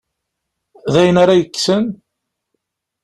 D ayen ara yekksen?